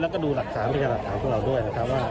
แล้วก็ดูหลักฐานไปกับหลักฐานของเราด้วย